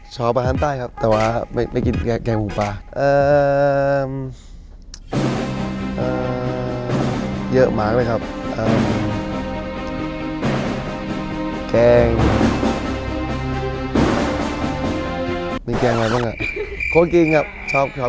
ชอบอาหารใต้ครับแต่ว่าไปกินแกงหมูปลา